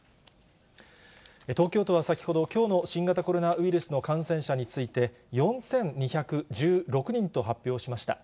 東京都は先ほど、きょうの新型コロナウイルスの感染者について、４２１６人と発表しました。